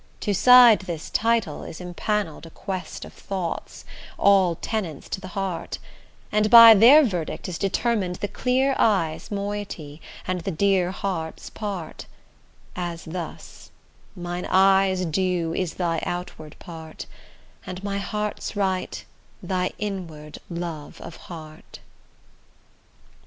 To side this title is impannelled A quest of thoughts, all tenants to the heart; And by their verdict is determined The clear eye's moiety, and the dear heart's part: As thus; mine eye's due is thy outward part, And my heart's right, thy inward love of heart.